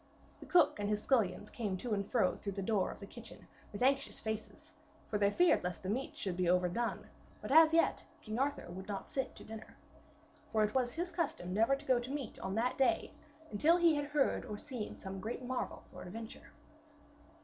The cook and his scullions came to and fro through the door of the kitchen with anxious faces, for they feared lest the meats should be overdone, but as yet King Arthur would not sit to dinner. For it was his custom never to go to meat on that day until he had heard or seen some great marvel or adventure.